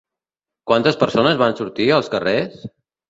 Quantes persones van sortir als carrers?